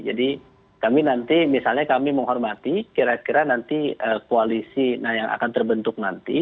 jadi kami nanti misalnya kami menghormati kira kira nanti koalisi yang akan terbentuk nanti